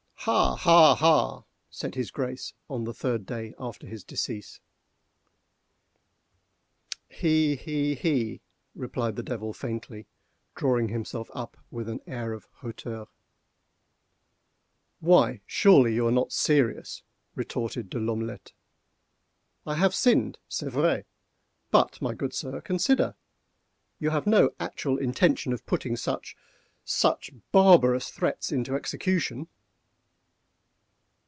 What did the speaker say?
"Ha! ha! ha!" said his Grace on the third day after his decease. "He! he! he!" replied the Devil faintly, drawing himself up with an air of hauteur. "Why, surely you are not serious," retorted De L'Omelette. "I have sinned—c'est vrai—but, my good sir, consider!—you have no actual intention of putting such—such barbarous threats into execution."